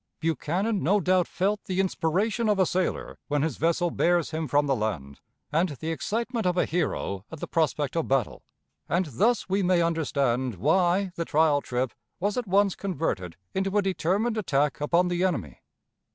Buchanan no doubt felt the inspiration of a sailor when his vessel bears him from the land, and the excitement of a hero at the prospect of battle, and thus we may understand why the trial trip was at once converted into a determined attack upon the enemy.